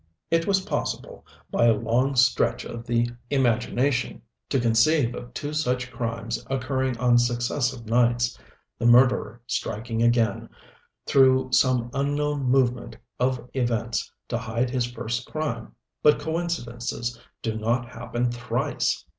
It was possible, by a long stretch of the imagination, to conceive of two such crimes occurring on successive nights the murderer striking again, through some unknown movement of events, to hide his first crime but coincidences do not happen thrice!